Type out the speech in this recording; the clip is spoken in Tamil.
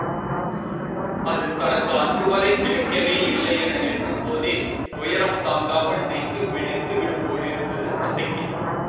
அது தனக்கு அன்றுவரை கிடைக்கவே இல்லை என எண்ணும் போதே துயரம் தாங்காமல் நெஞ்சு வெடித்துவிடும் போலிருந்தது தத்தைக்கு.